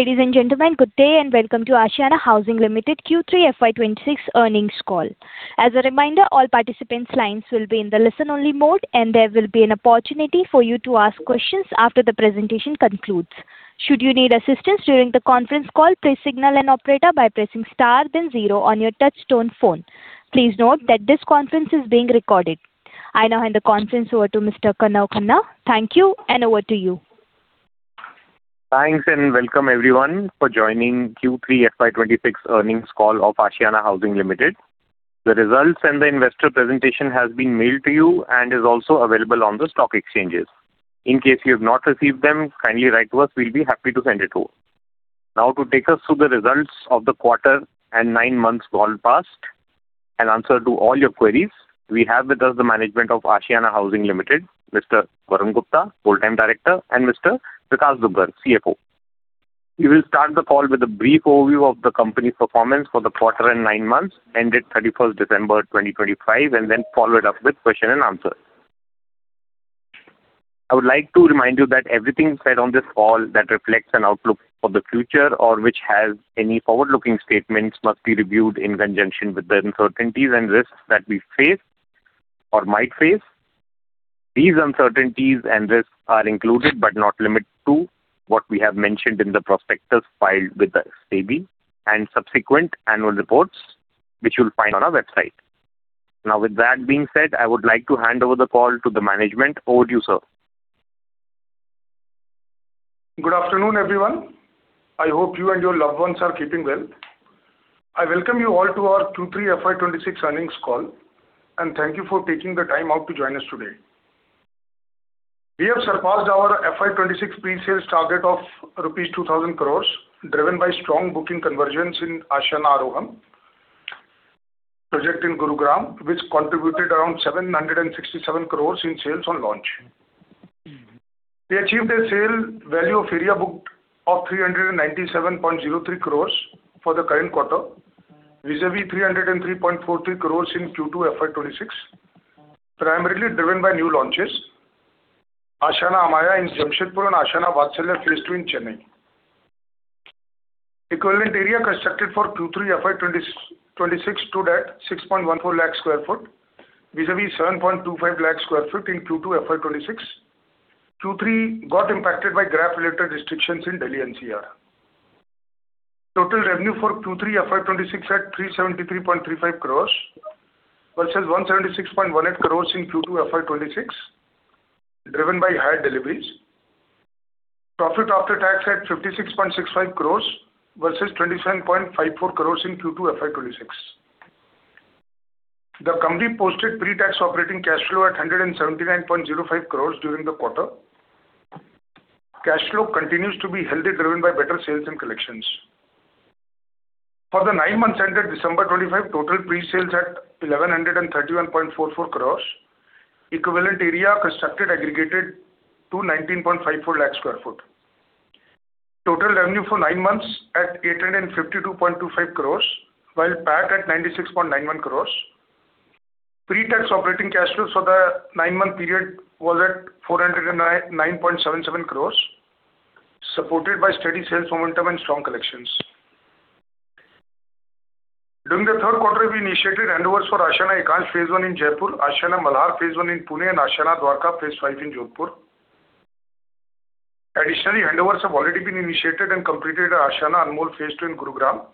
Ladies and gentlemen, good day, and welcome to Ashiana Housing Limited Q3 FY 2026 Earnings Call. As a reminder, all participants' lines will be in the listen-only mode, and there will be an opportunity for you to ask questions after the presentation concludes. Should you need assistance during the conference call, please signal an operator by pressing star then zero on your touchtone phone. Please note that this conference is being recorded. I now hand the conference over to Mr. Kanav Khanna. Thank you, and over to you. Thanks, and welcome everyone for joining Q3 FY 2026 Earnings Call of Ashiana Housing Limited. The results and the investor presentation has been mailed to you and is also available on the stock exchanges. In case you have not received them, kindly write to us, we'll be happy to send it to you. Now, to take us through the results of the quarter and nine months all passed, and answer to all your queries, we have with us the management of Ashiana Housing Limited, Mr. Varun Gupta, Full-Time Director, and Mr. Vikash Dugar, CFO. We will start the call with a brief overview of the company's performance for the quarter and nine months, ended 31 December 2025, and then followed up with question and answer. I would like to remind you that everything said on this call that reflects an outlook for the future or which has any forward-looking statements, must be reviewed in conjunction with the uncertainties and risks that we face or might face. These uncertainties and risks are included, but not limited to, what we have mentioned in the prospectus filed with the SEBI and subsequent annual reports, which you'll find on our website. Now, with that being said, I would like to hand over the call to the management. Over to you, sir. Good afternoon, everyone. I hope you and your loved ones are keeping well. I welcome you all to our Q3 FY 2026 Earnings Call, and thank you for taking the time out to join us today. We have surpassed our FY 2026 pre-sales target of rupees 2,000 crore, driven by strong booking conversions in Ashiana Aroham, project in Gurugram, which contributed around 767 crore in sales on launch. We achieved a sale value of area booked of 397.03 crore for the current quarter, vis-a-vis 303.43 crore in Q2 FY 2026, primarily driven by new launches, Ashiana Amaya in Jamshedpur and Ashiana Vatsalya Phase 2 in Chennai. Equivalent area constructed for Q3 FY 2026 stood at 6.14 lakh sq ft, vis-à-vis 7.25 lakh sq ft in Q2 FY 2026. Q3 got impacted by GRAP-related restrictions in Delhi NCR. Total revenue for Q3 FY 2026 at ₹373.35 crores, versus ₹176.18 crores in Q2 FY 2026, driven by higher deliveries. Profit after tax at ₹56.65 crores versus ₹27.54 crores in Q2 FY 2026. The company posted pre-tax operating cash flow at ₹179.05 crores during the quarter. Cash flow continues to be healthy, driven by better sales and collections. For the nine months ended December 2025, total pre-sales at ₹1,131.44 crores. Equivalent area constructed aggregated to 19.54 lakh sq ft. Total revenue for nine months at 852.25 crore, while PAT at 96.91 crore. Pre-tax operating cash flow for the nine-month period was at 409.77 crore, supported by steady sales momentum and strong collections. During the third quarter, we initiated handovers for Ashiana Ekant Phase 1 in Jaipur, Ashiana Malhar Phase 1 in Pune, and Ashiana Dwarka Phase 5 in Jodhpur. Additionally, handovers have already been initiated and completed at Ashiana Anmol Phase 2 in Gurugram,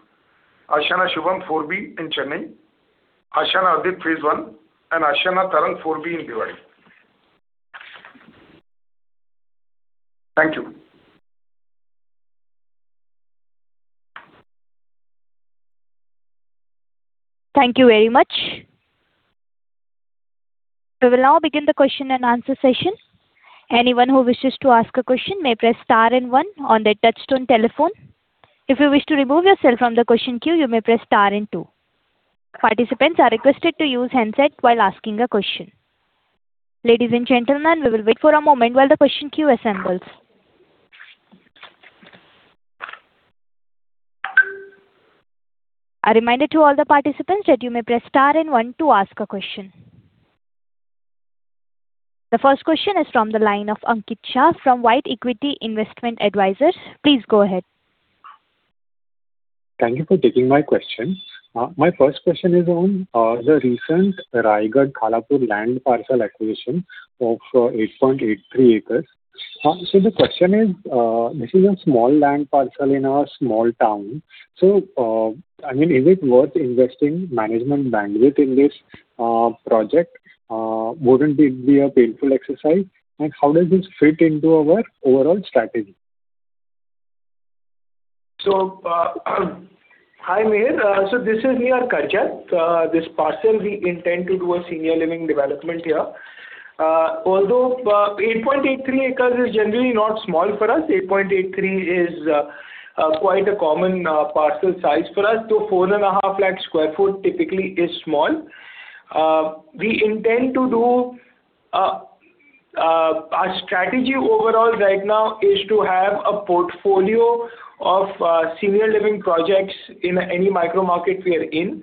Ashiana Shubham 4B in Chennai, Ashiana Advik Phase 1, and Ashiana Tarang IV B in Bhiwadi. Thank you. Thank you very much. We will now begin the question and answer session. Anyone who wishes to ask a question may press star and one on their touchtone telephone. If you wish to remove yourself from the question queue, you may press star and two. Participants are requested to use handset while asking a question. Ladies and gentlemen, we will wait for a moment while the question queue assembles. A reminder to all the participants that you may press star and one to ask a question. The first question is from the line of Ankit Shah, from White Equity Investment Advisors. Please go ahead. Thank you for taking my question. My first question is on the recent Raigad-Khalapur land parcel acquisition of 8.83 acres. So the question is, this is a small land parcel in a small town. So, I mean, is it worth investing management bandwidth in this project? Wouldn't it be a painful exercise? And how does this fit into our overall strategy? So, hi, Ankit. So this is near Karjat. This parcel, we intend to do a senior living development here. Although, 8.83 acres is generally not small for us, 8.83 is quite a common parcel size for us. So 4.5 lakh sq ft typically is small. We intend to do our strategy overall right now is to have a portfolio of senior living projects in any micro market we are in.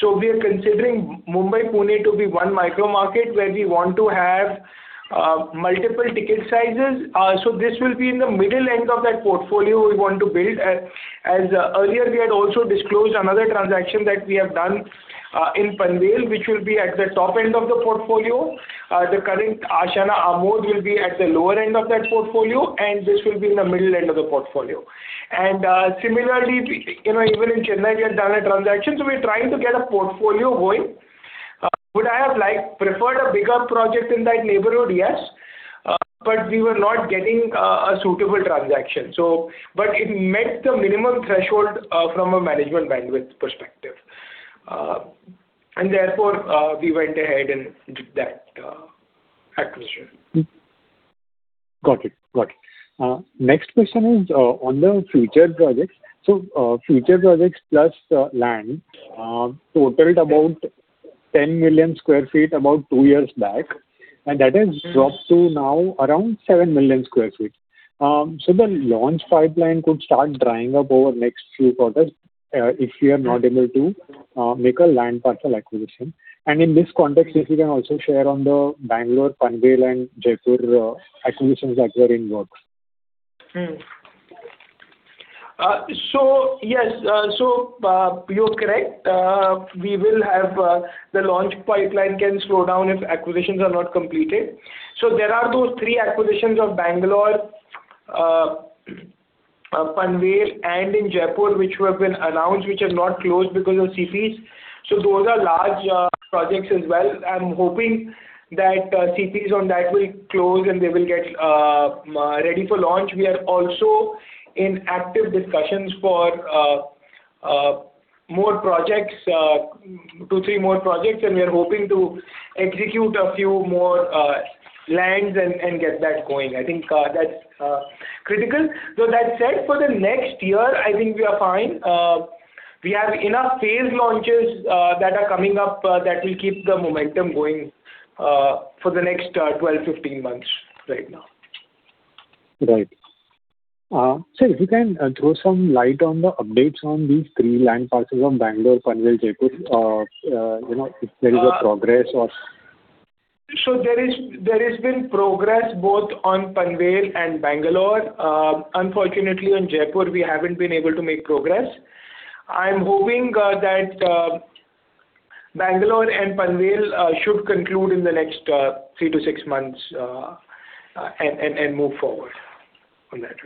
So we are considering Mumbai, Pune to be one micro market, where we want to have multiple ticket sizes. So this will be in the middle end of that portfolio we want to build. As earlier, we had also disclosed another transaction that we have done in Panvel, which will be at the top end of the portfolio. The current Ashiana Amodh will be at the lower end of that portfolio, and this will be in the middle end of the portfolio. And similarly, you know, even in Chennai, we have done a transaction, so we're trying to get a portfolio going. Would I have preferred a bigger project in that neighborhood? Yes, but we were not getting a suitable transaction. So, but it met the minimum threshold from a management bandwidth perspective. And therefore, we went ahead in that acquisition. Got it. Got it. Next question is on the future projects. Future projects plus land totaled about 10 million sq ft about two years back, and that has dropped to now around 7 million sq ft. So the launch pipeline could start drying up over the next few quarters, if you are not able to make a land parcel acquisition. In this context, if you can also share on the Bangalore, Panvel, and Jaipur acquisitions that were in work. So yes, you're correct. We will have the launch pipeline can slow down if acquisitions are not completed. So there are those three acquisitions of Bangalore, Panvel, and in Jaipur, which have been announced, which are not closed because of CPs. So those are large projects as well. I'm hoping that CPs on that will close, and they will get ready for launch. We are also in active discussions for more projects, two, three more projects, and we are hoping to execute a few more lands and get that going. I think that's critical. So that said, for the next year, I think we are fine. We have enough phase launches that are coming up that will keep the momentum going for the next 12-15 months right now. Right. Sir, if you can throw some light on the updates on these three land parcels on Bangalore, Panvel, Jaipur, you know, if there is a progress or? So there is, there has been progress both on Panvel and Bangalore. Unfortunately, in Jaipur, we haven't been able to make progress. I'm hoping that Bangalore and Panvel should conclude in the next three to six months, and move forward on that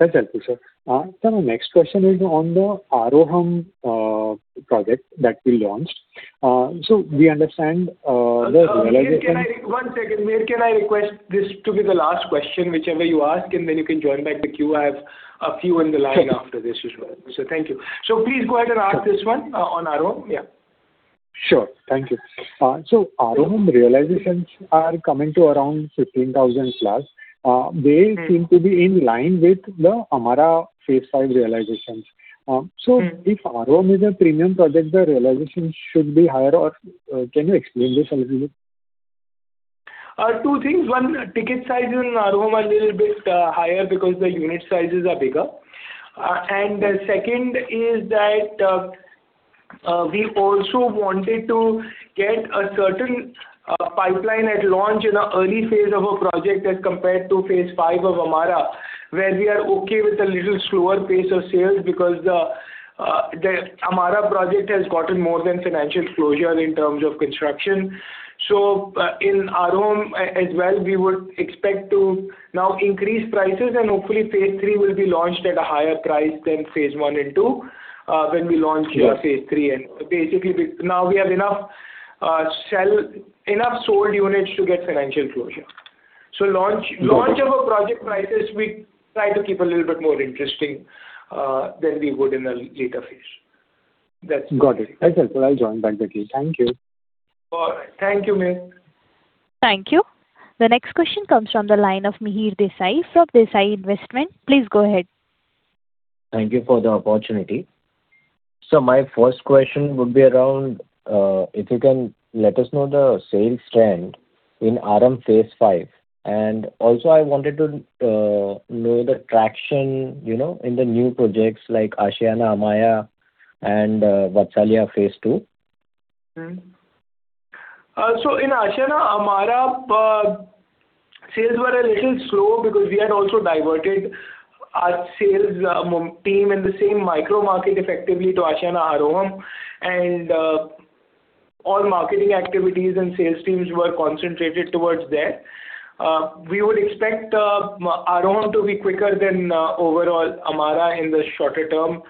regard. Mm-hmm. That's helpful, sir. Sir, my next question is on the Aroham project that we launched. So we understand the realization- One second. Can I request this to be the last question, whichever you ask, and then you can join back the queue? I have a few in the line after this as well. Sure. Thank you. Please go ahead and ask this one on Aroham. Yeah. Sure. Thank you. So Aroham realizations are coming to around 15,000+. Mm-hmm. They seem to be in line with the Amarah Phase 5 realizations. Mm-hmm. If Aroham is a premium project, the realization should be higher, or can you explain this a little bit? Two things. One, ticket size in Aroham are a little bit higher because the unit sizes are bigger. And the second is that we also wanted to get a certain pipeline at launch in the early phase of a project as compared to Phase 5 of Amarah, where we are okay with a little slower pace of sales because the Amarah project has gotten more than financial closure in terms of construction. So, in Aroham, as well, we would expect to now increase prices, and hopefully, Phase 3 will be launched at a higher price than Phase 1 and 2, when we launch- Sure. the Phase 3. And basically, now we have enough sold units to get financial closure. Mm-hmm. Launch, launch of a project prices, we try to keep a little bit more interesting than we would in a later phase. That's it. Got it. That's helpful. I'll join back the queue. Thank you. All right. Thank you, Ankit. Thank you. The next question comes from the line of Mihir Desai from Desai Investment. Please go ahead. Thank you for the opportunity. My first question would be around, if you can let us know the sales trend in Aroham Phase 5. And also I wanted to know the traction, you know, in the new projects like Ashiana Amaya and Vatsalya Phase 2. So in Ashiana Amaya, sales were a little slow because we had also diverted our sales team in the same micro market effectively to Ashiana Aroham, and all marketing activities and sales teams were concentrated towards there. We would expect Aroham to be quicker than overall Amarah in the shorter term,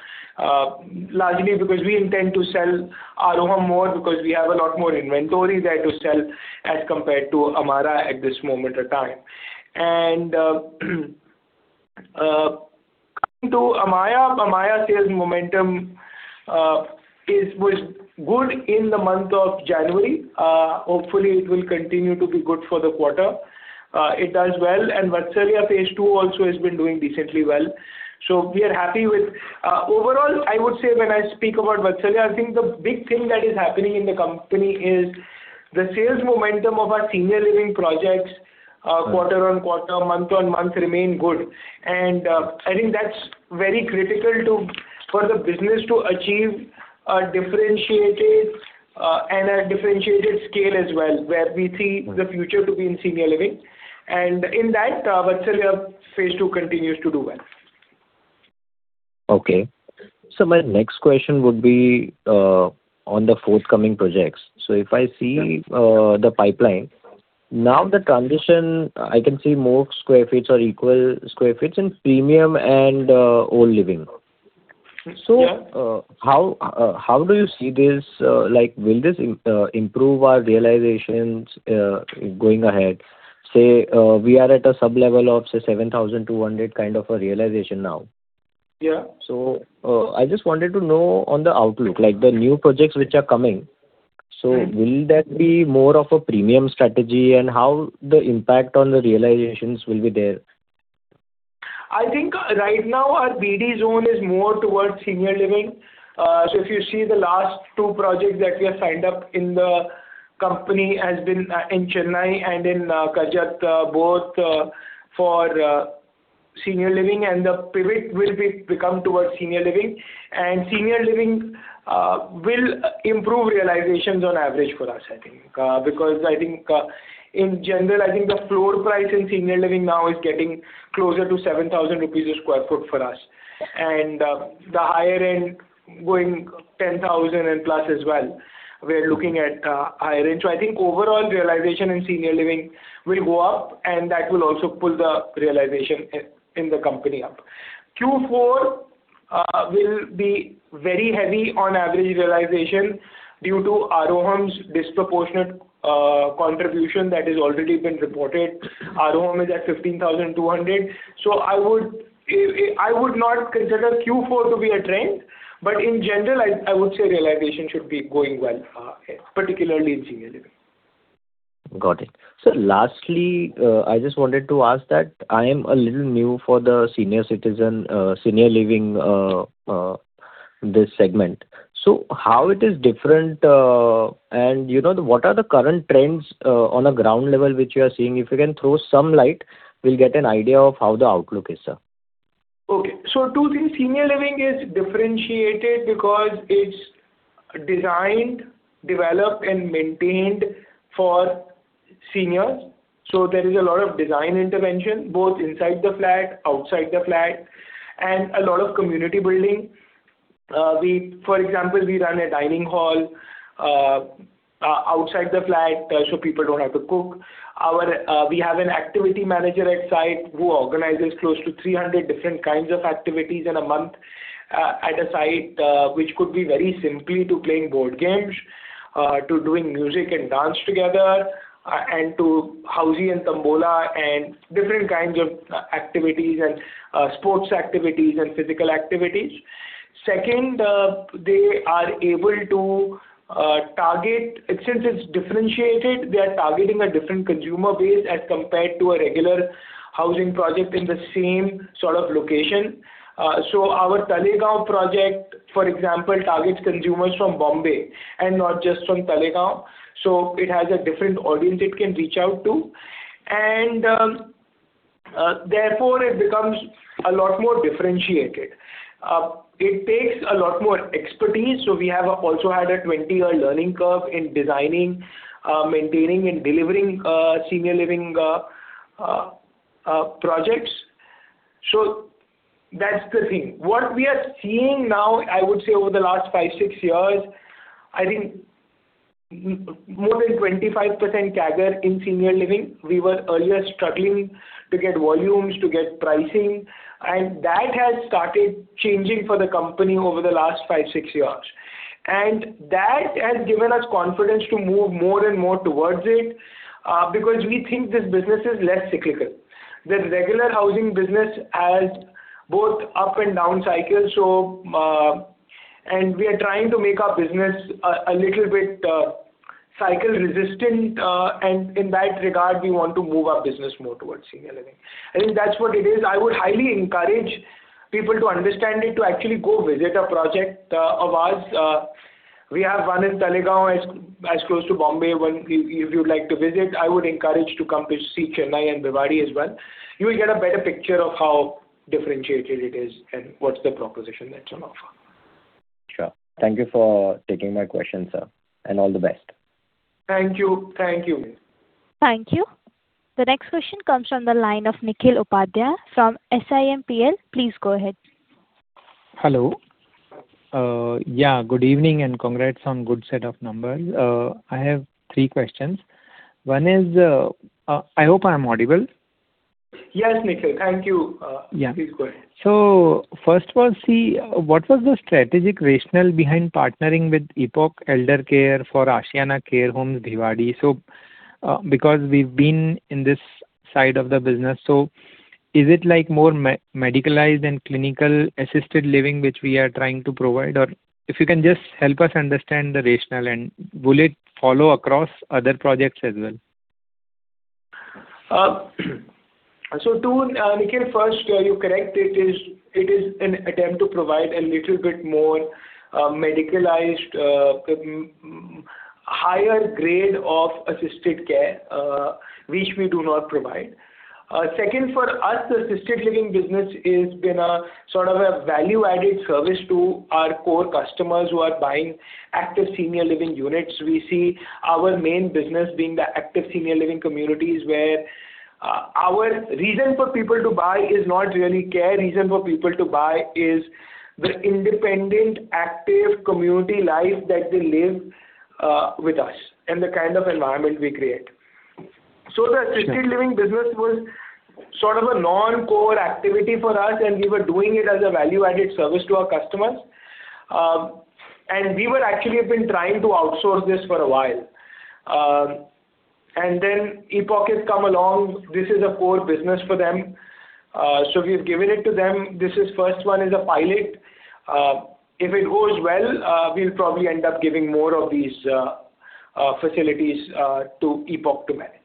largely because we intend to sell Aroham more, because we have a lot more inventory there to sell as compared to Amarah at this moment of time. Coming to Amaya. Amaya sales momentum was good in the month of January. Hopefully, it will continue to be good for the quarter. It does well, and Vatsalya Phase 2 also has been doing decently well. So we are happy with overall, I would say when I speak about Vatsalya, I think the big thing that is happening in the company is the sales momentum of our senior living projects, quarter-on-quarter, month-on-month remain good. And, I think that's very critical for the business to achieve a differentiated, and a differentiated scale as well, where we see the future to be in senior living. And in that, Vatsalya Phase 2 continues to do well. Okay. My next question would be on the forthcoming projects. If I see the pipeline, now the transition, I can see more square feet or equal square feet in premium and senior living. Yeah. So, how, how do you see this? Like, will this improve our realizations going ahead? Say, we are at a sub-level of, say, 7,200 kind of a realization now. Yeah. I just wanted to know on the outlook, like the new projects which are coming. Mm. Will that be more of a premium strategy? How the impact on the realizations will be there? I think right now, our BD zone is more towards senior living. So if you see the last two projects that we have signed up in the company has been in Chennai and in Karjat, both for senior living, and the pivot will be become towards senior living. And senior living will improve realizations on average for us, I think. Because I think in general, I think the floor price in senior living now is getting closer to 7,000 rupees per sq ft for us, and the higher end going 10,000+ as well. We are looking at higher range. So I think overall realization in senior living will go up, and that will also pull the realization in the company up. Q4 will be very heavy on average realization due to Aroham's disproportionate contribution that is already been reported. Aroham is at ₹15,200. So I would, I, I would not consider Q4 to be a trend, but in general, I, I would say realization should be going well, particularly in senior living. Got it. Sir, lastly, I just wanted to ask that I am a little new for the senior citizen, senior living, this segment. So how it is different, and, you know, what are the current trends, on a ground level, which you are seeing? If you can throw some light, we'll get an idea of how the outlook is, sir. Okay. So two things. Senior living is differentiated because it's designed, developed, and maintained for seniors. So there is a lot of design intervention, both inside the flat, outside the flat, and a lot of community building. We, for example, run a dining hall outside the flat, so people don't have to cook. We have an activity manager at site, who organizes close to 300 different kinds of activities in a month at a site, which could be very simply to playing board games, to doing music and dance together, and to housie and tombola and different kinds of activities and sports activities and physical activities. Second, they are able to target. Since it's differentiated, they are targeting a different consumer base as compared to a regular housing project in the same sort of location. So our Talegaon project, for example, targets consumers from Bombay and not just from Talegaon. So it has a different audience it can reach out to, and therefore, it becomes a lot more differentiated. It takes a lot more expertise, so we have also had a 20-year learning curve in designing, maintaining, and delivering senior living projects. So that's the thing. What we are seeing now, I would say over the last five, six years, I think more than 25% CAGR in senior living. We were earlier struggling to get volumes, to get pricing, and that has started changing for the company over the last five, six years. And that has given us confidence to move more and more towards it, because we think this business is less cyclical. The regular housing business has both up and down cycles, so, and we are trying to make our business a little bit cycle-resistant, and in that regard, we want to move our business more towards senior living. I think that's what it is. I would highly encourage people to understand it, to actually go visit a project of ours. We have one in Talegaon, as close to Bombay. Well, if you'd like to visit, I would encourage to come to see Chennai and Bhiwadi as well. You will get a better picture of how differentiated it is and what's the proposition that's on offer. Sure. Thank you for taking my question, sir, and all the best. Thank you. Thank you. Thank you. The next question comes from the line of Nikhil Upadhyay from SIMPL. Please go ahead. Hello. Yeah, good evening, and congrats on good set of numbers. I have three questions. One is... I hope I am audible? Yes, Nikhil. Thank you. Yeah. Please go ahead. So first was, see, what was the strategic rationale behind partnering with Epoch Elder Care for Ashiana Care Homes, Bhiwadi? So, because we've been in this side of the business, so is it like more medicalized and clinical-assisted living, which we are trying to provide? Or if you can just help us understand the rationale, and will it follow across other projects as well? So two, Nikhil, first, you're correct, it is, it is an attempt to provide a little bit more medicalized, higher grade of assisted care, which we do not provide. Second, for us, the assisted living business is been a sort of a value-added service to our core customers who are buying active senior living units. We see our main business being the active senior living communities, where our reason for people to buy is not really care, reason for people to buy is the independent, active community life that they live with us, and the kind of environment we create. So the assisted living business was sort of a non-core activity for us, and we were doing it as a value-added service to our customers. And we were actually have been trying to outsource this for a while. And then Epoch has come along. This is a core business for them, so we've given it to them. This is first one is a pilot. If it goes well, we'll probably end up giving more of these facilities to Epoch to manage.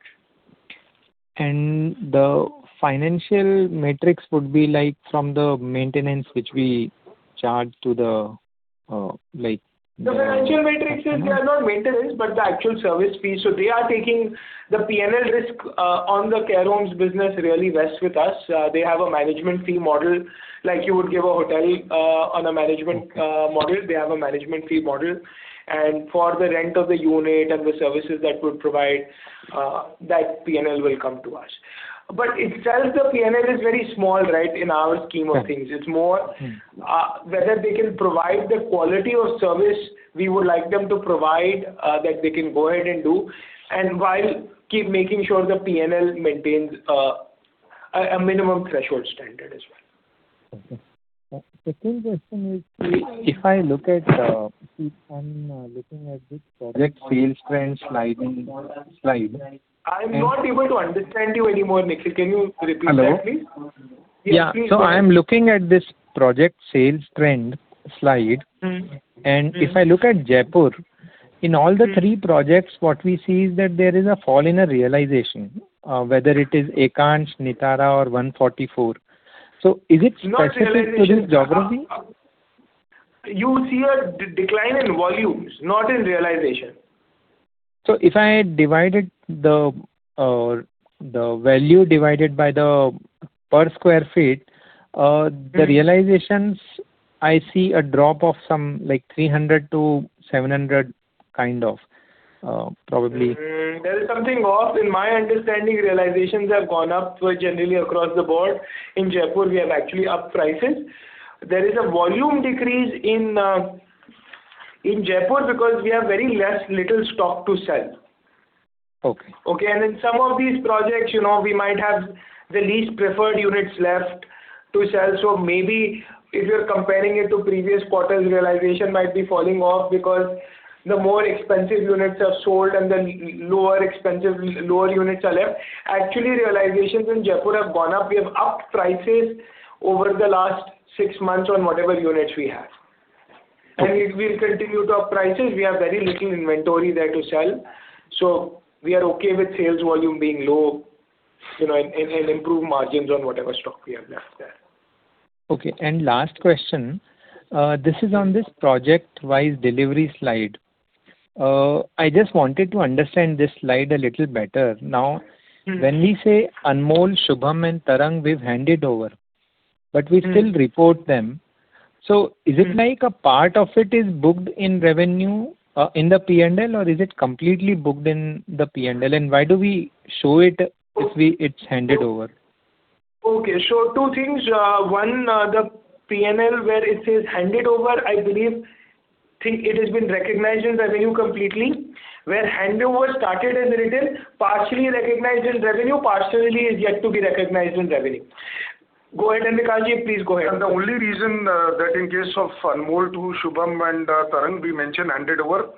The financial metrics would be like from the maintenance which we charge to the, like- The financial metrics is they are not maintenance, but the actual service fee. So they are taking the P&L risk on the care homes business really vests with us. They have a management fee model, like you would give a hotel, on a management, model, they have a management fee model. And for the rent of the unit and the services that we provide, that P&L will come to us. But itself, the P&L is very small, right, in our scheme of things. Okay. It's more whether they can provide the quality of service we would like them to provide, that they can go ahead and do, and while keep making sure the PNL maintains a minimum threshold standard as well. Okay. The second question is, if I look at, I'm looking at this project sales trend sliding slide. I'm not able to understand you anymore, Nikhil. Can you repeat that, please? Hello. Yeah. Yes, please. I am looking at this project sales trend slide. Mm. If I look at Jaipur in all the three projects, what we see is that there is a fall in the realization, whether it is Ekansh, Nitara or ONE44. So is it specific- Not realization. to this geography? You will see a decline in volumes, not in realization. So if I divided the, the value divided by the per square feet. Mm The realizations, I see a drop of some, like 300-700, kind of, probably. There is something off. In my understanding, realizations have gone up generally across the board. In Jaipur, we have actually upped prices. There is a volume decrease in Jaipur because we have very less little stock to sell. Okay. Okay, and in some of these projects, you know, we might have the least preferred units left to sell. So maybe if you're comparing it to previous quarters, realization might be falling off because the more expensive units are sold and then less expensive, lower units are left. Actually, realizations in Jaipur have gone up. We have upped prices over the last six months on whatever units we have. Okay. We'll continue to up prices. We have very little inventory there to sell. So we are okay with sales volume being low, you know, and improve margins on whatever stock we have left there. Okay, and last question. This is on this project-wise delivery slide. I just wanted to understand this slide a little better. Mm-hmm. Now, when we say Anmol, Shubham, and Tarang, we've handed over- Mm. But we still report them. Mm. So is it like a part of it is booked in revenue, in the P&L, or is it completely booked in the P&L? And why do we show it if we—it's handed over? Okay. So two things. One, the P&L, where it says, "Handed over," I believe, think it has been recognized in revenue completely. Where handover started is written, partially recognized in revenue, partially is yet to be recognized in revenue. Go ahead, Vikash, please go ahead. The only reason that in case of Anmol to Shubham and Tarang, we mentioned handed over,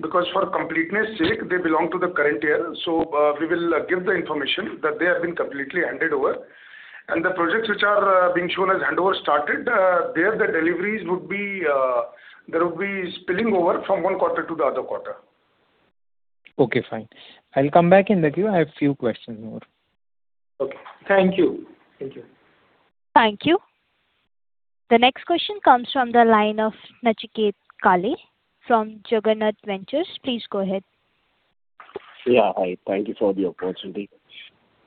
because for completeness' sake, they belong to the current year. So, we will give the information that they have been completely handed over. And the projects which are being shown as handover started, the deliveries would be, there will be spilling over from one quarter to the other quarter. Okay, fine. I'll come back in the queue. I have few questions more. Okay. Thank you. Thank you. Thank you. The next question comes from the line of Nachiket Kale from Jagannath Ventures. Please go ahead. Yeah, hi. Thank you for the opportunity.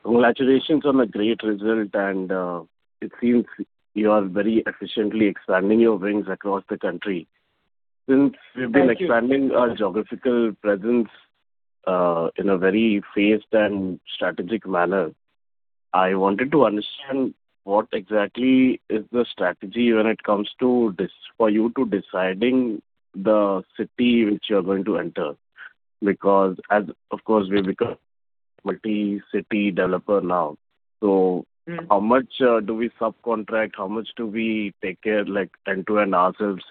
Congratulations on the great result, and it seems you are very efficiently expanding your wings across the country. Thank you. Since we've been expanding our geographical presence in a very phased and strategic manner, I wanted to understand what exactly is the strategy when it comes to this, for you to deciding the city which you are going to enter? Because as, of course, we've become multi-city developer now. Mm. How much do we subcontract? How much do we take care, like, end-to-end ourselves?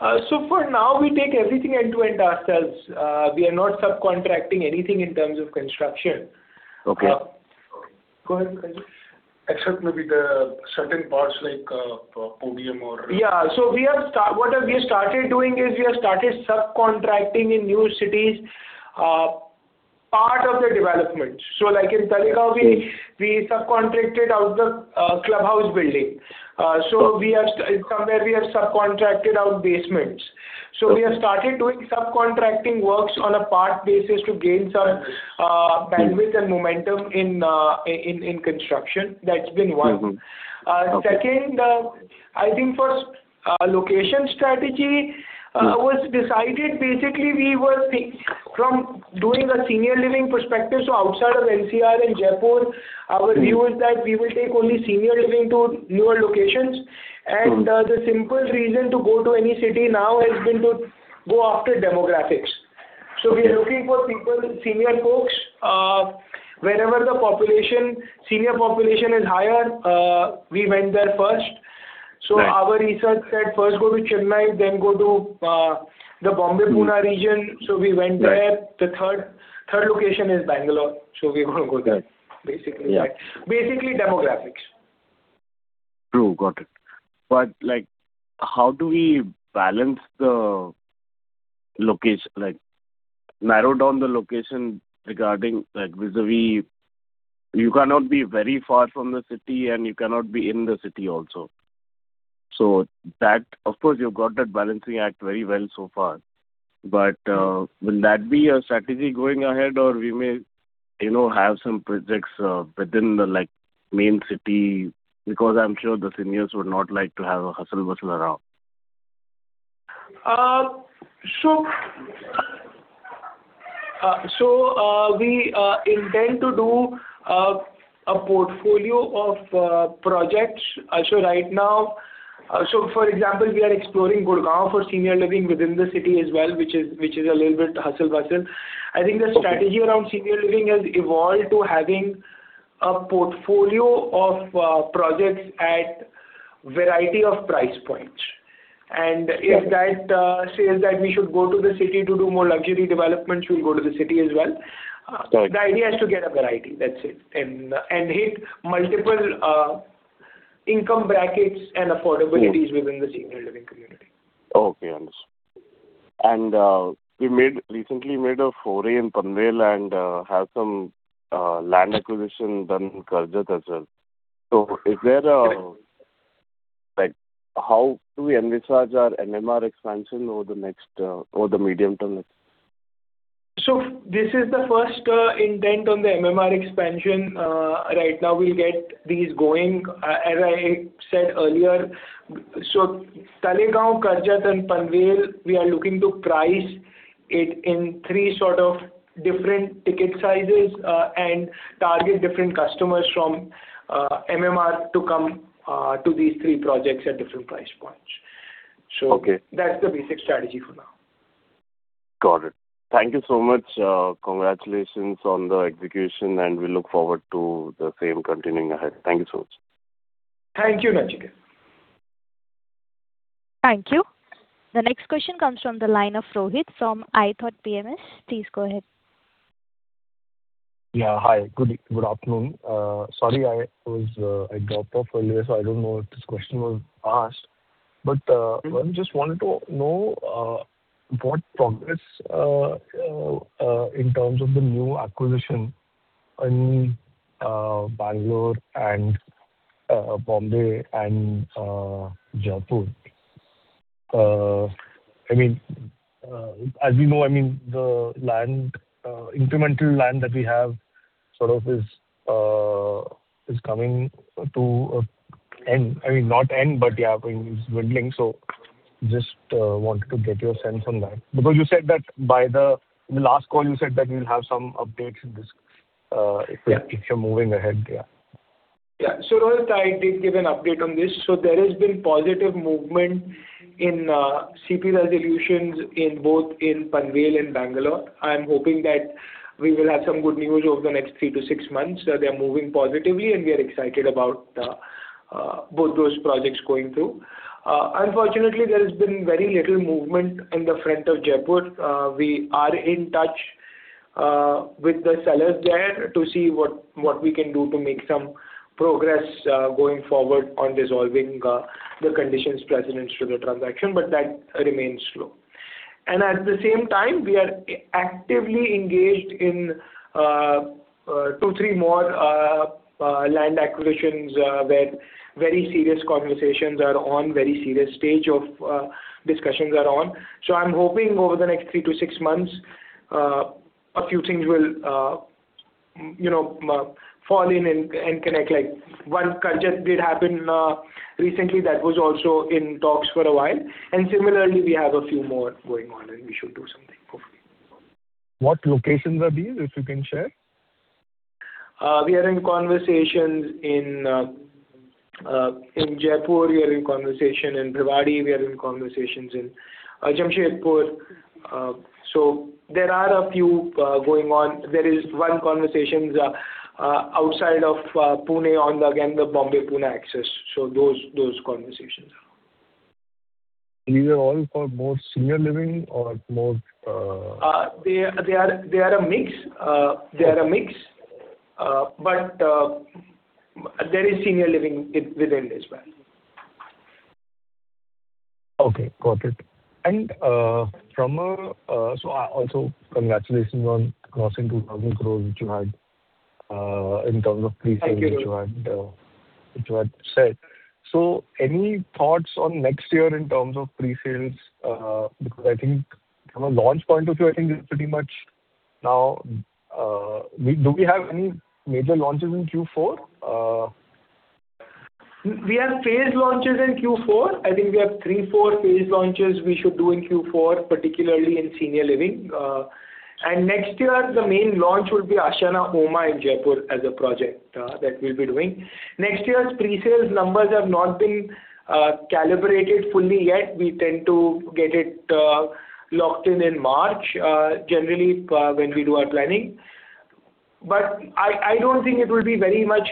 For now, we take everything end-to-end ourselves. We are not subcontracting anything in terms of construction. Okay. Go ahead, Vikash. Except maybe the certain parts like, podium. Yeah. So what we have started doing is we have started subcontracting in new cities, part of the development. So like in Talegaon, we subcontracted out the clubhouse building. So we have, somewhere we have subcontracted out basements. So we have started doing subcontracting works on a part basis to gain some bandwidth and momentum in construction. That's been one. Mm-hmm. Okay. Second, I think first, location strategy was decided. Basically, we were think from doing a senior living perspective, so outside of NCR and Jaipur, our view is that we will take only senior living to newer locations. Mm-hmm. The simple reason to go to any city now has been to go after demographics. Okay. So we are looking for people, senior folks. Wherever the population, senior population is higher, we went there first. Right. So our research said, first go to Chennai, then go to the Bombay-Pune region, so we went there. Right. The third, third location is Bangalore, so we're gonna go there. Right. Basically. Yeah. Basically, demographics. True. Got it. But, like, how do we balance the location? Like, narrow down the location regarding, like, vis-à-vis, you cannot be very far from the city, and you cannot be in the city also. So that, of course, you've got that balancing act very well so far. But, will that be your strategy going ahead, or we may, you know, have some projects within the, like, main city? Because I'm sure the seniors would not like to have a hustle bustle around. So, we intend to do a portfolio of projects. So right now, for example, we are exploring Gurugram for senior living within the city as well, which is a little bit hustle bustle. Okay. I think the strategy around Senior Living has evolved to having a portfolio of projects at variety of price points. Yes. If that says that we should go to the city to do more luxury developments, we'll go to the city as well. Got it. The idea is to get a variety, that's it, and hit multiple income brackets and affordabilities- Sure. within the senior living community. Okay, understood. And we recently made a foray in Panvel and have some land acquisition done in Karjat as well. So is there a- Correct. Like, how do we envisage our MMR expansion over the medium term next? So this is the first intent on the MMR expansion. Right now, we'll get these going, as I said earlier. So Talegaon, Karjat and Panvel, we are looking to price it in three sort of different ticket sizes, and target different customers from MMR to come to these three projects at different price points. So- Okay. That's the basic strategy for now. Got it. Thank you so much. Congratulations on the execution, and we look forward to the same continuing ahead. Thank you so much. Thank you. Thank you. The next question comes from the line of Rohit from ithoughtPMS. Please go ahead. Yeah, hi. Good, good afternoon. Sorry, I was, I dropped off earlier, so I don't know if this question was asked. But, Mm-hmm. I just wanted to know what progress in terms of the new acquisition in Bangalore and Bombay and Jaipur? I mean, as we know, I mean, the incremental land that we have sort of is coming to an end. I mean, not end, but, yeah, I mean, it's dwindling. So just wanted to get your sense on that. Because you said that by the in the last call, you said that you'll have some updates in this. Yeah. If you're moving ahead. Yeah. Yeah. So Rohit, I did give an update on this. So there has been positive movement in CP resolutions in both in Panvel and Bangalore. I'm hoping that we will have some good news over the next three to six months. They are moving positively, and we are excited about both those projects going through. Unfortunately, there has been very little movement in the front of Jaipur. We are in touch with the sellers there to see what we can do to make some progress going forward on resolving the conditions precedent to the transaction, but that remains slow. And at the same time, we are actively engaged in 2-3 more land acquisitions where very serious conversations are on, very serious stage of discussions are on. So I'm hoping over the next three to six months, a few things will, you know, fall in and, and connect. Like, one project did happen, recently that was also in talks for a while. And similarly, we have a few more going on, and we should do something hopefully. What locations are these, if you can share? We are in conversations in Jaipur, we are in conversation in Bhiwandi, we are in conversations in Jamshedpur. So there are a few going on. There is one conversations outside of Pune on, again, the Bombay-Pune axis. So those, those conversations. These are all for more senior living or more, They are a mix. They are a mix, but there is senior living within this as well. Okay, got it. So also congratulations on crossing 2,000 crores, which you had in terms of pre-sales- Thank you. which you had said. So any thoughts on next year in terms of pre-sales? Because I think from a launch point of view, I think it's pretty much now, do we have any major launches in Q4? We have phased launches in Q4. I think we have 3/4 phased launches we should do in Q4, particularly in senior living. And next year, the main launch will be Ashiana Umang in Jaipur as a project that we'll be doing. Next year's pre-sales numbers have not been calibrated fully yet. We tend to get it locked in in March, generally, when we do our planning. But I don't think it will be very much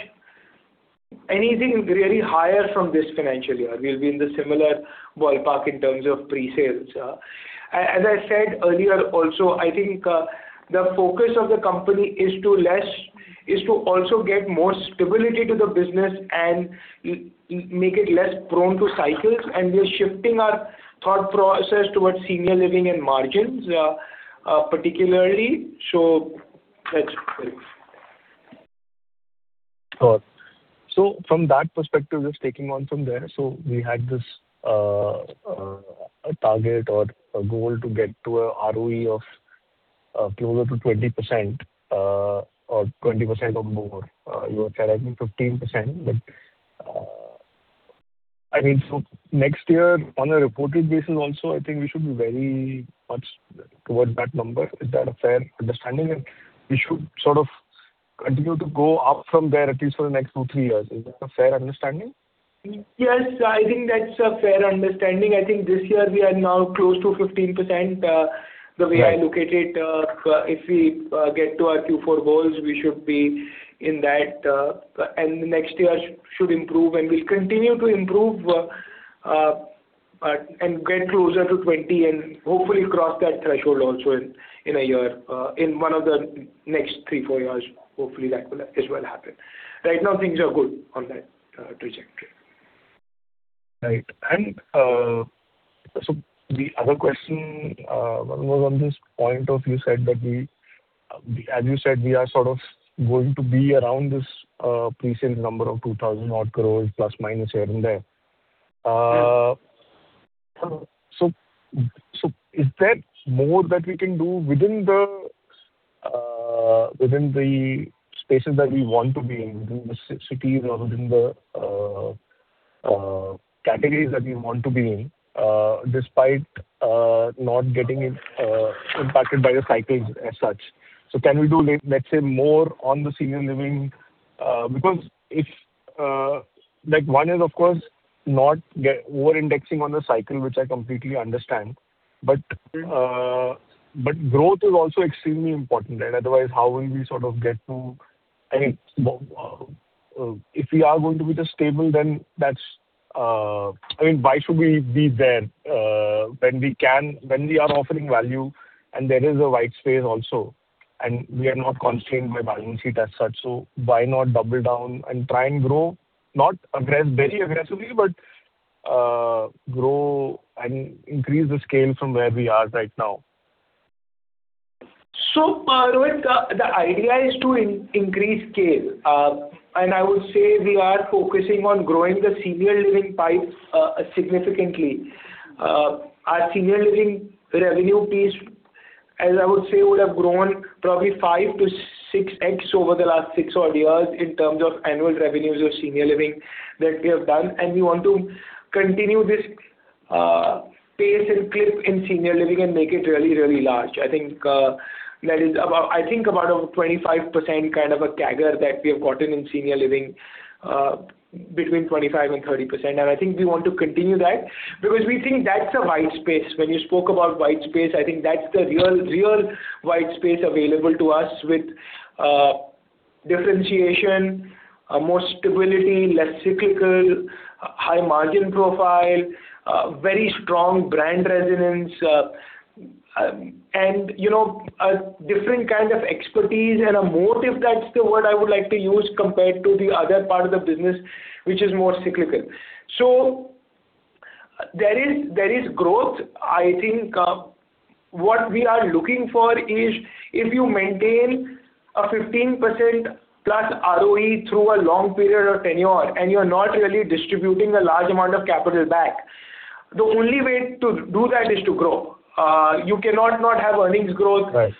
anything really higher from this financial year. We'll be in the similar ballpark in terms of pre-sales. As I said earlier, also, I think, the focus of the company is to also get more stability to the business and make it less prone to cycles, and we are shifting our thought process towards senior living and margins, particularly. So that's it. Got. So from that perspective, just taking on from there, so we had this, a target or a goal to get to a ROE of, closer to 20%, or 20% or more. You were carrying 15%, but, I mean, so next year, on a reported basis also, I think we should be very much towards that number. Is that a fair understanding? And we should sort of continue to go up from there, at least for the next two to three years. Is that a fair understanding? Yes, I think that's a fair understanding. I think this year we are now close to 15%. Right. The way I look at it, if we get to our Q4 goals, we should be in that, and the next year should improve, and we'll continue to improve, and get closer to 20, and hopefully cross that threshold also in a year, in one of the next three, four years. Hopefully, that will as well happen. Right now, things are good on that trajectory. Right. And, so the other question, one was on this point of you said that we, as you said, we are sort of going to be around this pre-sales number of 2,000 odd crore, plus, minus, here and there. Yes. So, so is there more that we can do within the spaces that we want to be in, within the cities or within the categories that we want to be in, despite not getting it impacted by the cycles as such? So can we do, let's say, more on the senior living? Because if, like, one is, of course, not get over-indexing on the cycle, which I completely understand. Yes. But growth is also extremely important, and otherwise, how will we sort of get to... I mean, if we are going to be just stable, then that's, I mean, why should we be there, when we are offering value and there is a wide space also, and we are not constrained by balance sheet as such, so why not double down and try and grow? Not very aggressively, but grow and increase the scale from where we are right now. So, Rohit, the idea is to increase scale. And I would say we are focusing on growing the senior living pipe significantly. Our senior living revenue piece, as I would say, would have grown probably 5-6X over the last six odd years in terms of annual revenues of senior living that we have done, and we want to continue this pace and clip in senior living and make it really, really large. I think that is about—I think about a 25% kind of a CAGR that we have gotten in senior living between 25%-30%. And I think we want to continue that because we think that's a wide space. When you spoke about wide space, I think that's the real, real wide space available to us with, differentiation, more stability, less cyclical, high margin profile, very strong brand resonance, and, you know, a different kind of expertise and a motive, that's the word I would like to use, compared to the other part of the business, which is more cyclical. So there is, there is growth. I think, what we are looking for is, if you maintain a 15%+ ROE through a long period or tenure, and you're not really distributing a large amount of capital back, the only way to do that is to grow. You cannot not have earnings growth- Right.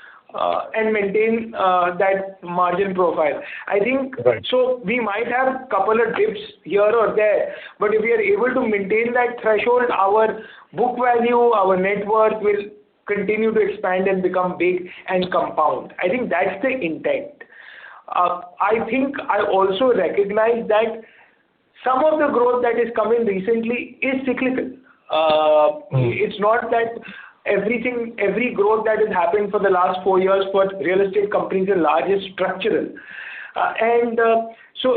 And maintain that margin profile. I think. Right. So we might have a couple of dips here or there, but if we are able to maintain that threshold, our book value, our net worth, will continue to expand and become big and compound. I think that's the intent. I think I also recognize that some of the growth that is coming recently is cyclical. Mm-hmm. It's not that everything, every growth that has happened for the last four years for real estate companies at large is structural. And so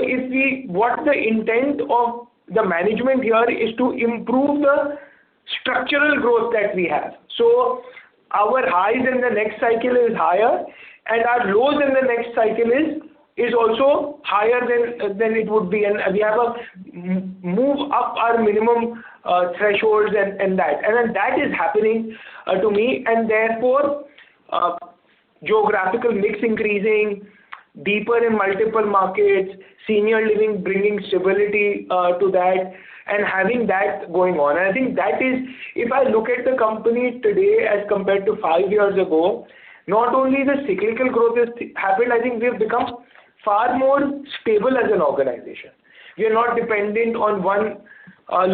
what the intent of the management here is to improve the structural growth that we have. So our highs in the next cycle is higher, and our lows in the next cycle is also higher than it would be, and we have a move up our minimum thresholds and that. And then that is happening to me, and therefore geographical mix increasing, deeper in multiple markets, senior living bringing stability to that, and having that going on. And I think that is, if I look at the company today as compared to five years ago, not only the cyclical growth has happened, I think we have become far more stable as an organization. We are not dependent on one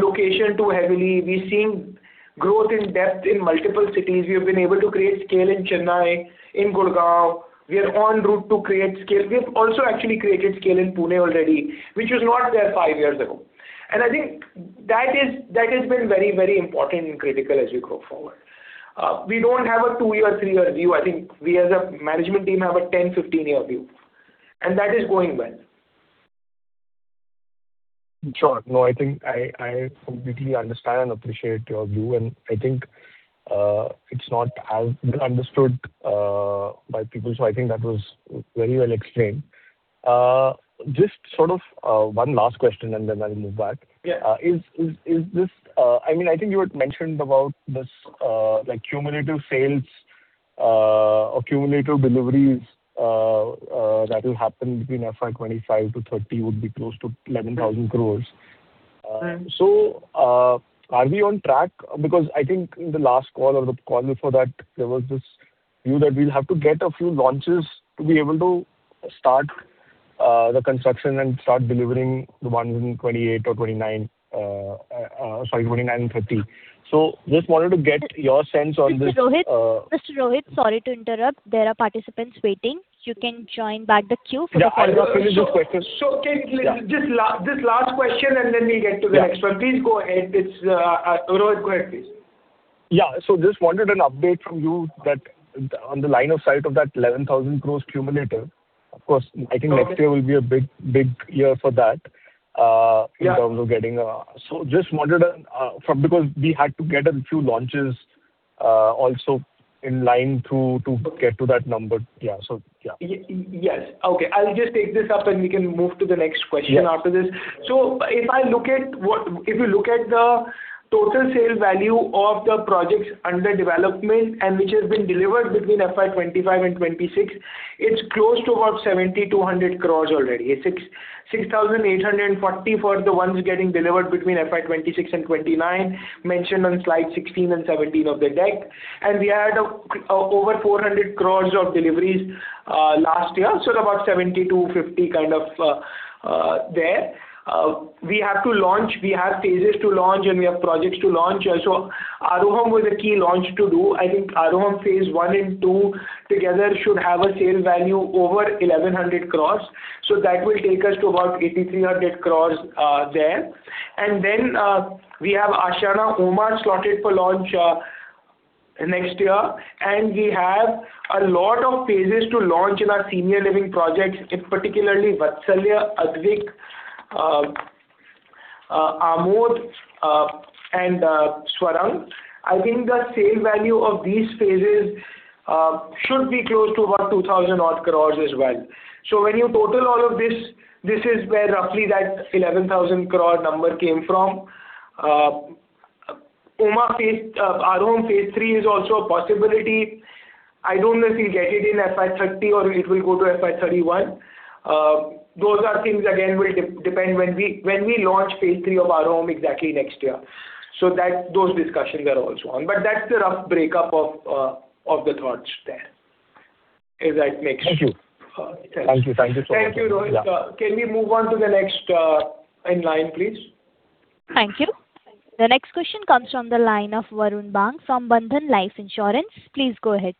location too heavily. We've seen growth in depth in multiple cities. We have been able to create scale in Chennai, in Gurgaon. We are en route to create scale. We have also actually created scale in Pune already, which was not there 5 years ago. And I think that is, that has been very, very important and critical as we go forward. We don't have a two-year, three-year view. I think we, as a management team, have a 10-, 15-year view, and that is going well. Sure. No, I think I completely understand and appreciate your view, and I think it's not as understood by people. So I think that was very well explained. Just sort of one last question, and then I'll move back. Yeah. Is this, I mean, I think you had mentioned about this, like, cumulative sales or cumulative deliveries that will happen between FY 2025-2030, would be close to 11,000 crore. Right. So, are we on track? Because I think in the last call or the call before that, there was this view that we'll have to get a few launches to be able to start the construction and start delivering the ones in 2028 or 2029, sorry, 2029 and 2030. So just wanted to get your sense on this. Mr. Rohit. Mr. Rohit, sorry to interrupt. There are participants waiting. You can join back the queue for the- Yeah, I'll just finish this question. Okay, just this last question, and then we'll get to the next one. Yeah. Please go ahead. It's, Rohit, go ahead, please. Yeah. So just wanted an update from you that on the line of sight of that 11,000 crore cumulative. Of course, I think- Okay. Next year will be a big, big year for that. Yeah. In terms of getting. So just wondered from because we had to get a few launches also in line to get to that number. Yeah. So, yeah. Yes. Okay, I'll just take this up, and we can move to the next question after this. Yeah. So if you look at the total sale value of the projects under development and which has been delivered between FY 2025 and 2026, it's close to about 7,200 crores already. 6,684 crores for the ones getting delivered between FY 2026 and 2029, mentioned on slide 16 and 17 of the deck. And we had over 400 crores of deliveries last year, so about 70-50, kind of, there. We have phases to launch, and we have projects to launch. So Aroham was a key launch to do. I think Aroham Phase 1 and 2 together should have a sale value over 1,100 crores. So that will take us to about 8,300 crores there. Then, we have Ashiana Umang slotted for launch next year. We have a lot of phases to launch in our senior living projects, in particular Vatsalya, Advik, Amod, and Swarang. I think the sale value of these phases should be close to about 2,000-odd crore as well. So when you total all of this, this is where roughly that 11,000 crore number came from. Umang Phase, Aroham Phase 3 is also a possibility. I don't know if we'll get it in FY 2030 or it will go to FY 2031. Those are things, again, will depend when we launch Phase 3 of Aroham exactly next year. So that, those discussions are also on. But that's the rough breakup of the thoughts there, if that makes sense. Thank you. Thank you. Thank you so much. Thank you, Rohit. Yeah. Can we move on to the next in line, please? Thank you. The next question comes from the line of Varun Bang from Bandhan Life Insurance. Please go ahead.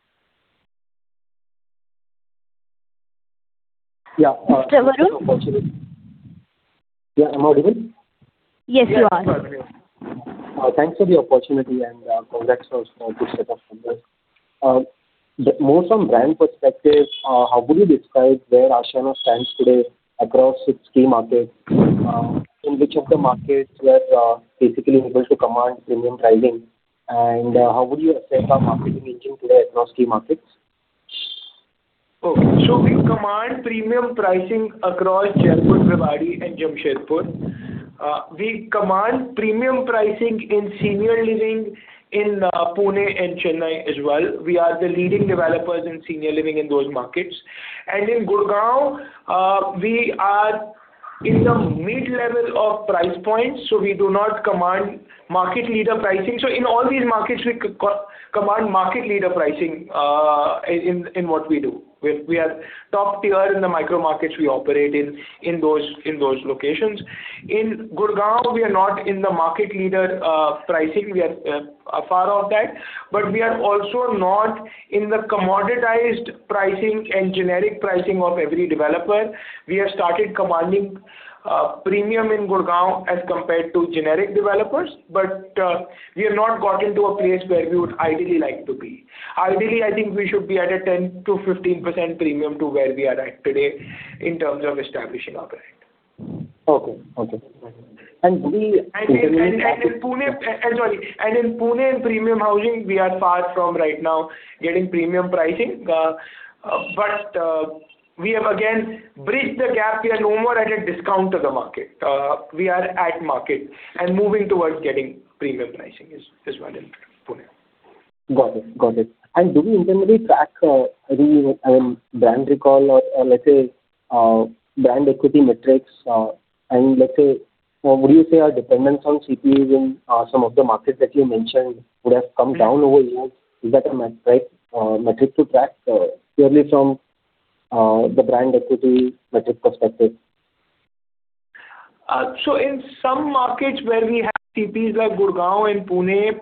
Yeah, uh- Mr. Varun? Yeah, am I audible? Yes, you are. Yeah, perfect. Thanks for the opportunity, and congrats also to set up numbers. More from brand perspective, how would you describe where Ashiana stands today across its key markets? In which of the markets we are basically able to command premium pricing, and how would you assess our market position today across key markets? Okay. So we command premium pricing across Jaipur, Rewari, and Jamshedpur. We command premium pricing in senior living in Pune and Chennai as well. We are the leading developers in senior living in those markets. And in Gurgaon, we are in the mid-level of price points, so we do not command market leader pricing. So in all these markets, we command market leader pricing in what we do. We are top tier in the micro markets we operate in, in those locations. In Gurgaon, we are not in the market leader pricing. We are far off that, but we are also not in the commoditized pricing and generic pricing of every developer. We have started commanding premium in Gurugram as compared to generic developers, but, we have not gotten to a place where we would ideally like to be. Ideally, I think we should be at a 10%-15% premium to where we are at today in terms of establishing our brand. Okay. Okay. And we- In Pune, in premium housing, we are far from right now getting premium pricing, but we have again bridged the gap. We are no more at a discount to the market. We are at market and moving towards getting premium pricing as well in Pune. Got it. Got it. And do we internally track any brand recall or let's say brand equity metrics? And let's say, would you say our dependence on CPs in some of the markets that you mentioned would have come down over years? Is that a metric to track purely from the brand equity metric perspective? So in some markets where we have CPs, like Gurgaon and Pune,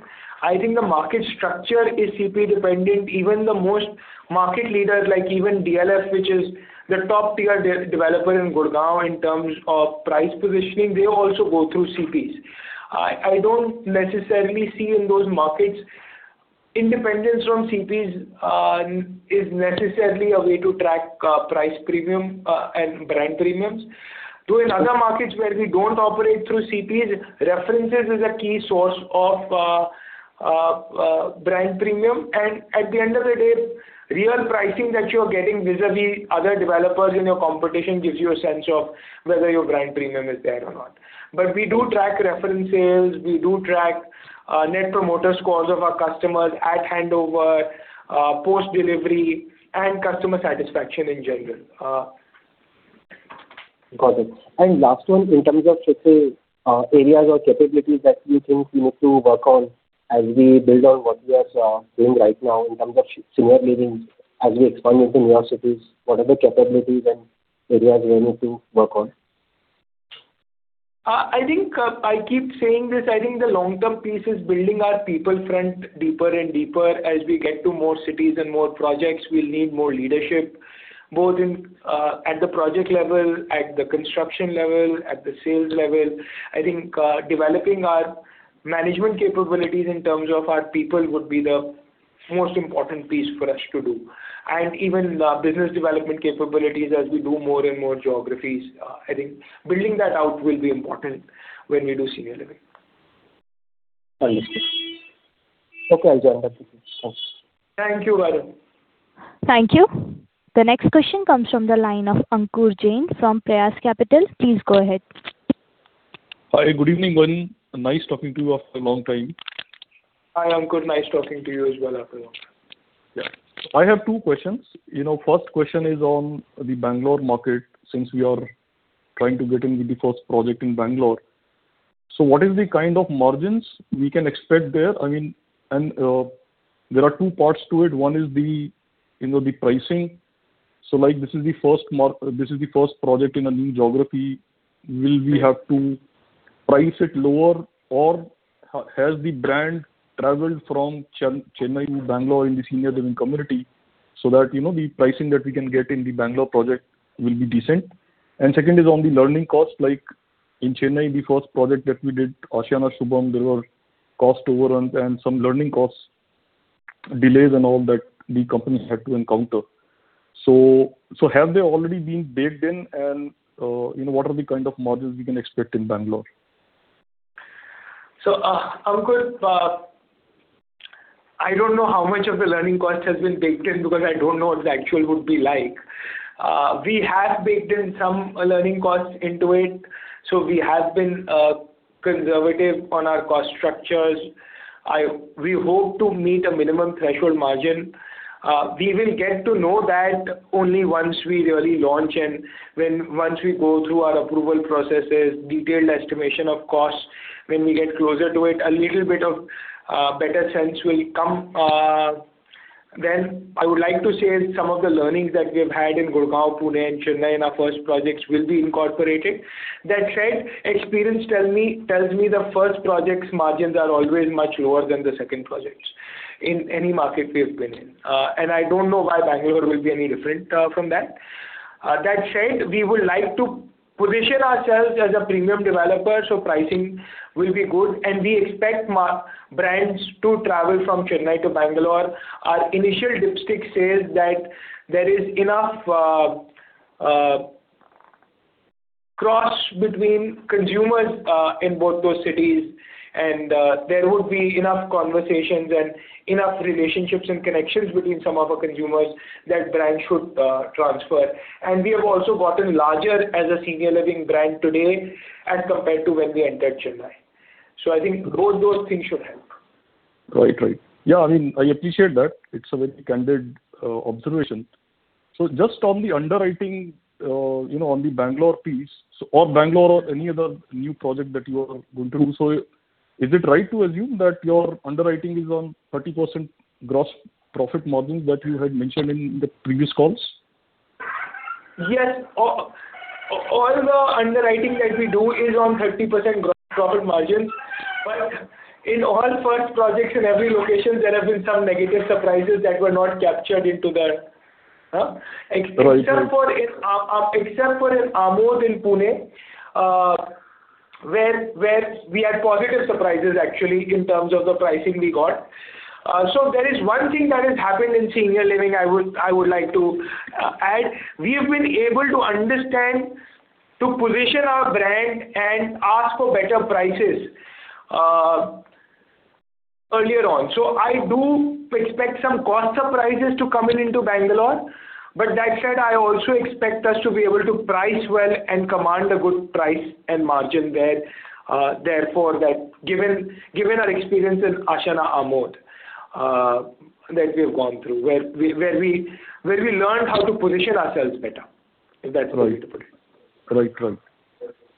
I think the market structure is CP dependent. Even the most market leaders, like even DLF, which is the top-tier developer in Gurgaon in terms of price positioning, they also go through CPs. I don't necessarily see in those markets independence from CPs is necessarily a way to track price premium and brand premiums. So in other markets where we don't operate through CPs, references is a key source of brand premium, and at the end of the day, real pricing that you're getting vis-a-vis other developers in your competition, gives you a sense of whether your brand premium is there or not. But we do track reference sales, we do track Net Promoter Scores of our customers at handover, post-delivery, and customer satisfaction in general. Got it. And last one, in terms of, let's say, areas or capabilities that you think you need to work on as we build on what we are doing right now in terms of senior living, as we expand into new cities, what are the capabilities and areas we need to work on? I think, I keep saying this: I think the long-term piece is building our people front deeper and deeper. As we get to more cities and more projects, we'll need more leadership, both in, at the project level, at the construction level, at the sales level. I think, developing our management capabilities in terms of our people would be the most important piece for us to do. And even the business development capabilities as we do more and more geographies, I think building that out will be important when we do senior living. Understood. Okay, I'll join that. Thanks. Thank you, Varun. Thank you. The next question comes from the line of Ankur Jain, from Prayas Capital. Please go ahead. Hi, good evening, Varun. Nice talking to you after a long time. Hi, Ankur. Nice talking to you as well after a long time. Yeah. I have two questions. You know, first question is on the Bangalore market, since we are trying to get into the first project in Bangalore. So what is the kind of margins we can expect there? I mean, and there are two parts to it. One is the, you know, the pricing. So, like, this is the first project in a new geography. Will we have to price it lower, or has the brand traveled from Chennai to Bangalore in the senior living community, so that, you know, the pricing that we can get in the Bangalore project will be decent? And second is on the learning cost, like in Chennai, the first project that we did, Ashiana Vatsalya, there were cost overruns and some learning costs, delays and all that the company had to encounter. So, have they already been baked in, and what are the kind of margins we can expect in Bangalore? So, Ankur, I don't know how much of the learning cost has been baked in, because I don't know what the actual would be like. We have baked in some learning costs into it, so we have been conservative on our cost structures. We hope to meet a minimum threshold margin. We will get to know that only once we really launch and once we go through our approval processes, detailed estimation of costs, when we get closer to it. A little bit of better sense will come. Then, I would like to say some of the learnings that we've had in Gurgaon, Pune and Chennai in our first projects will be incorporated. That said, experience tells me the first project's margins are always much lower than the second projects in any market we have been in. I don't know why Bangalore will be any different from that. That said, we would like to position ourselves as a premium developer, so pricing will be good, and we expect our brands to travel from Chennai to Bangalore. Our initial dipstick says that there is enough crossover between consumers in both those cities, and there would be enough conversations and enough relationships and connections between some of our consumers that brand should transfer. We have also gotten larger as a senior living brand today as compared to when we entered Chennai. I think both those things should help. Right. Right. Yeah, I mean, I appreciate that. It's a very candid observation. So just on the underwriting, you know, on the Bangalore piece or Bangalore or any other new project that you are going to do. So is it right to assume that your underwriting is on 30% gross profit margins that you had mentioned in the previous calls? Yes. All the underwriting that we do is on 30% gross profit margins. But in all first projects in every location, there have been some negative surprises that were not captured into the. Except for in Amod in Pune, where we had positive surprises actually, in terms of the pricing we got. So there is one thing that has happened in senior living. I would like to add. We have been able to understand to position our brand and ask for better prices earlier on. So I do expect some cost surprises to come in into Bangalore. But that said, I also expect us to be able to price well and command a good price and margin there. Therefore, that given our experience in Ashiana Amodh, that we have gone through, where we learned how to position ourselves better, if that's the way to put it. Right. Right.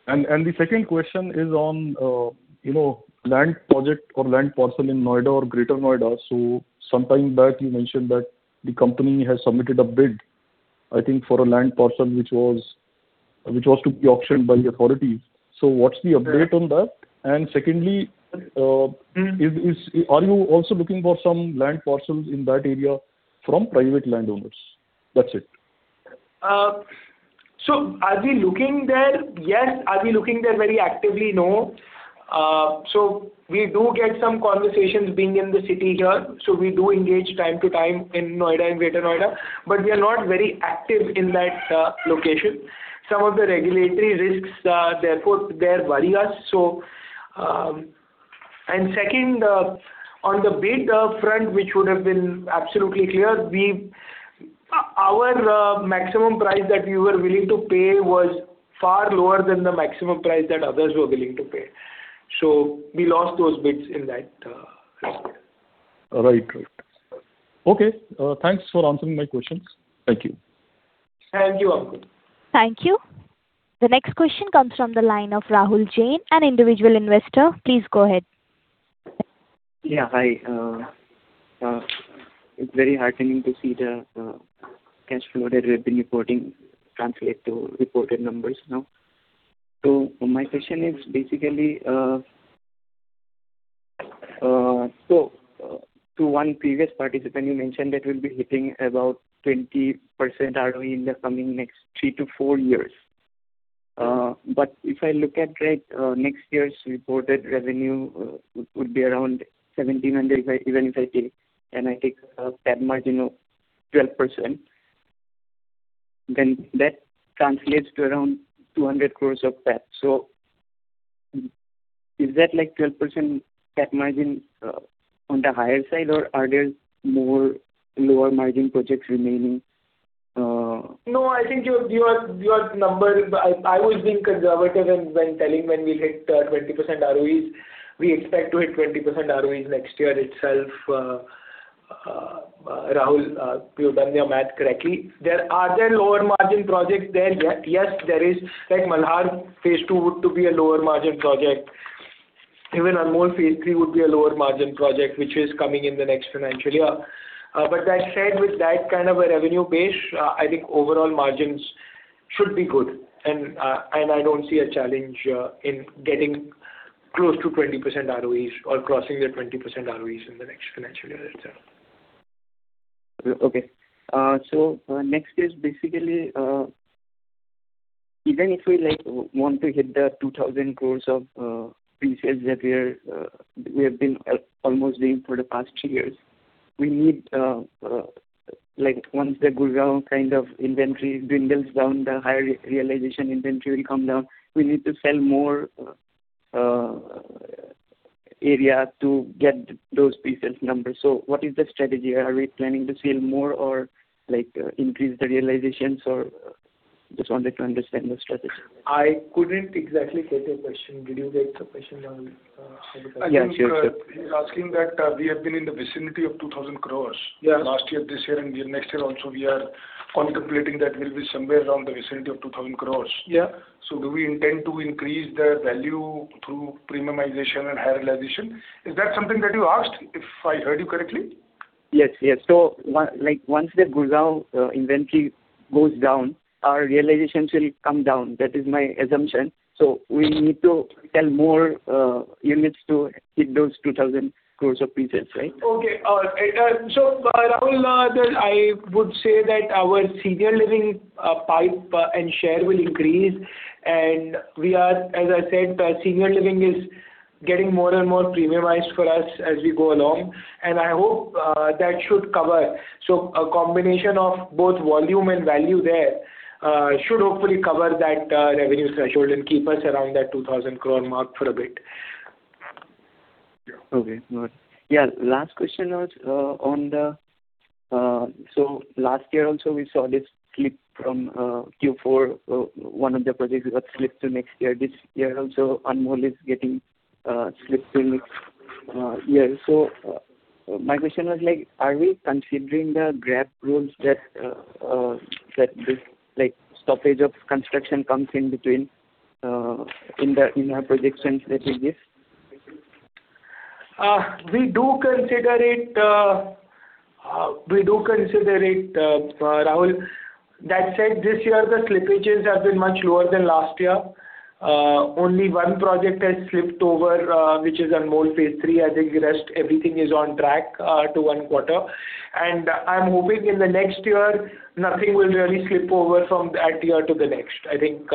And the second question is on, you know, land project or land parcel in Noida or Greater Noida. So sometime back, you mentioned that the company has submitted a bid, I think, for a land parcel, which was to be auctioned by the authorities. So what's the update on that? And secondly, Mm. Is, are you also looking for some land parcels in that area from private landowners? That's it. So are we looking there? Yes. Are we looking there very actively? No. So we do get some conversations being in the city here, so we do engage time to time in Noida and Greater Noida, but we are not very active in that location. Some of the regulatory risks, therefore, there worry us. So, and second, on the bid front, which would have been absolutely clear, our maximum price that we were willing to pay was far lower than the maximum price that others were willing to pay. So we lost those bids in that aspect. Right. Right. Okay, thanks for answering my questions. Thank you. Thank you, Ankur. Thank you. The next question comes from the line of Rahul Jain, an individual investor. Please go ahead. Yeah, hi, it's very heartening to see the cash flow that we've been reporting translate to reported numbers now. So my question is, basically, so to one previous participant, you mentioned that we'll be hitting about 20% ROE in the coming next three to four years. But if I look at, like, next year's reported revenue, it would be around 1,700 crore, even if I take that margin of 12%, then that translates to around 200 crore of that. So is that, like, 12% PAT margin on the higher side, or are there more lower margin projects remaining? No, I think your number, I was being conservative and when telling when we hit 20% ROE. We expect to hit 20% ROE next year itself, Rahul, you've done your math correctly. Are there lower margin projects there? Yes, there is. Like Malhar Phase 2 would to be a lower margin project. Even Anmol Phase 3 would be a lower margin project, which is coming in the next financial year. But that said, with that kind of a revenue base, I think overall margins should be good. And I don't see a challenge in getting close to 20% ROE or crossing the 20% ROE in the next financial year itself. Okay. So, next is basically, even if we, like, want to hit the 2,000 crore of pre-sales that we are, we have been almost doing for the past two years, we need, like, once the Gurugram kind of inventory dwindles down, the higher realization inventory will come down. We need to sell more area to get those pre-sales numbers. So what is the strategy? Are we planning to sell more or, like, increase the realizations, or? Just wanted to understand the strategy. I couldn't exactly get your question. Did you get the question, Rahul? Yeah, sure, sure. I think, he's asking that we have been in the vicinity of 2,000 crore. Yeah. Last year, this year, and next year also, we are contemplating that we'll be somewhere around the vicinity of 2,000 crore. Yeah. So do we intend to increase the value through premiumization and higher realization? Is that something that you asked, if I heard you correctly? Yes. Yes. So, like, once the Gurgaon inventory goes down, our realizations will come down. That is my assumption. So we need to sell more units to hit those 2,000 crore of pre-sales, right? Okay. So, Rahul, I would say that our senior living pipe and share will increase, and we are... As I said, senior living is getting more and more premiumized for us as we go along, and I hope that should cover. So a combination of both volume and value there should hopefully cover that revenue threshold and keep us around that 2,000 crore mark for a bit. Okay, got it. Yeah, last question was on the, so last year also, we saw this slip from Q4. One of the projects got slipped to next year. This year also, Anmol is getting slipped in, yeah. So, my question was, like, are we considering the GRAP rules that this, like, stoppage of construction comes in between, in our projections that we give? We do consider it, Rahul. That said, this year the slippages have been much lower than last year. Only one project has slipped over, which is on Malhar Phase 3. I think the rest, everything is on track to one quarter. And I'm hoping in the next year, nothing will really slip over from that year to the next. I think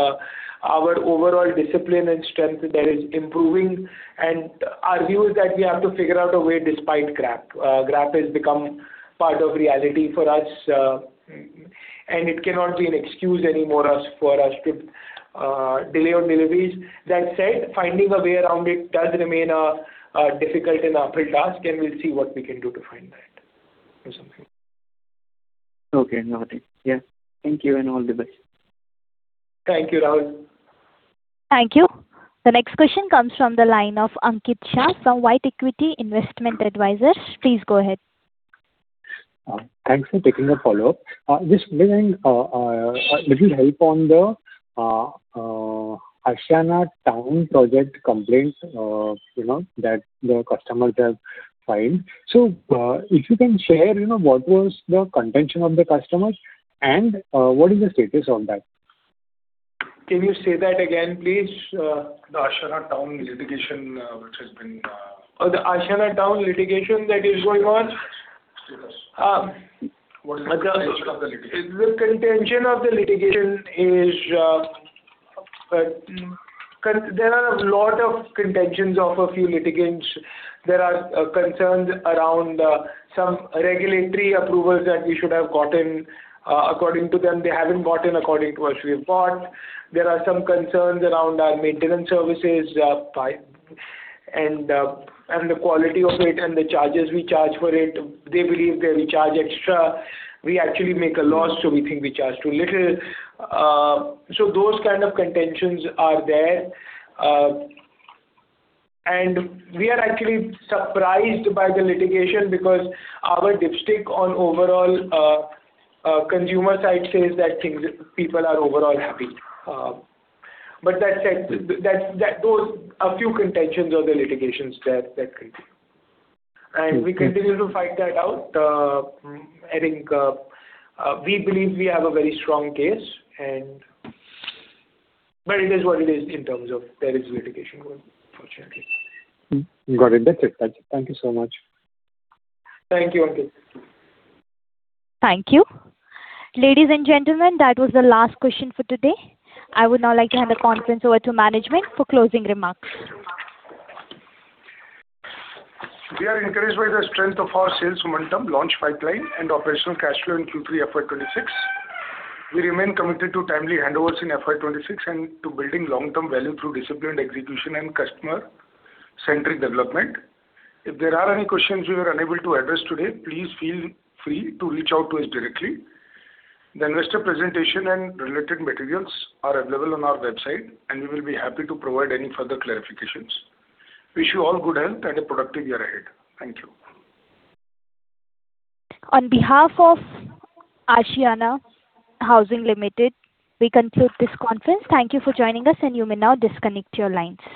our overall discipline and strength there is improving, and our view is that we have to figure out a way despite GRAP. GRAP has become part of reality for us, and it cannot be an excuse anymore for us to delay on deliveries. That said, finding a way around it does remain a difficult and uphill task, and we'll see what we can do to find that or something. Okay, got it. Yeah. Thank you, and all the best. Thank you, Rahul. Thank you. The next question comes from the line of Ankit Shah from White Equity Investment Advisors. Please go ahead. Thanks for taking the follow-up. Just giving a little help on the Ashiana Town project complaints, you know, that the customers have filed. So, if you can share, you know, what was the contention of the customers, and what is the status on that? Can you say that again, please? The Ashiana Town litigation, which has been- Oh, the Ashiana Town litigation that is going on? Yes. Um. What is the contention of the litigation? The contention of the litigation is, there are a lot of contentions of a few litigants. There are concerns around some regulatory approvals that we should have gotten. According to them, they haven't gotten according to what we have got. There are some concerns around our maintenance services, pipe, and, and the quality of it, and the charges we charge for it. They believe that we charge extra. We actually make a loss, so we think we charge too little. So those kind of contentions are there. And we are actually surprised by the litigation, because our dipstick on overall consumer side says that things, people are overall happy. But that said, those a few contentions of the litigations that could be. Thank you. And we continue to fight that out. I think we believe we have a very strong case, and... But it is what it is in terms of there is litigation going, unfortunately. Got it. That's it. Thank you so much. Thank you, Ankit. Thank you. Ladies and gentlemen, that was the last question for today. I would now like to hand the conference over to management for closing remarks. We are encouraged by the strength of our sales momentum, launch pipeline, and operational cash flow in Q3 FY 2026. We remain committed to timely handovers in FY 2026 and to building long-term value through disciplined execution and customer-centric development. If there are any questions we were unable to address today, please feel free to reach out to us directly. The investor presentation and related materials are available on our website, and we will be happy to provide any further clarifications. Wish you all good health and a productive year ahead. Thank you. On behalf of Ashiana Housing Limited, we conclude this conference. Thank you for joining us, and you may now disconnect your lines.